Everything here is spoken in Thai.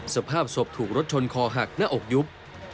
สภาพศพถูกรถชนคอหักหน้าอกยุบ